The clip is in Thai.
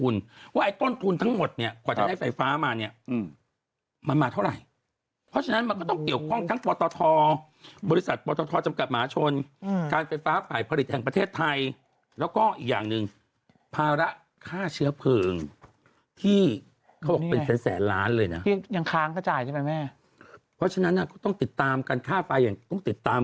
เลยขาดิการคณะกรรมการกรรมกราบกิจการพลังงาน